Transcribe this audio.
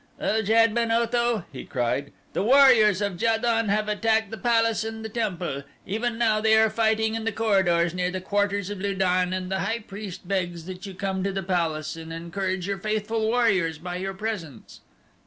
"O Jad ben Otho," he cried, "the warriors of Ja don have attacked the palace and the temple. Even now they are fighting in the corridors near the quarters of Lu don, and the high priest begs that you come to the palace and encourage your faithful warriors by your presence."